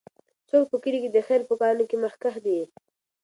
څوک په کلي کې د خیر په کارونو کې مخکښ دی؟